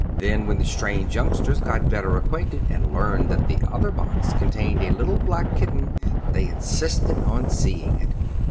Then, when the strange youngsters got better acquainted, and learned that the other box contained a little black kitten, they insisted on seeing it.